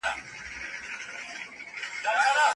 ناسمه ژباړه خلک تېرباسي.